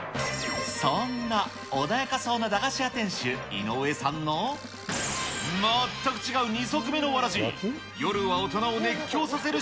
そんな穏やかそうな駄菓子屋店主、井上さんの全く違う二足目のわらじ。